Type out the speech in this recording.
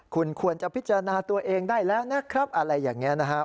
คุณควรจะพิจารณาตัวเองได้แล้วนะครับอะไรอย่างนี้นะครับ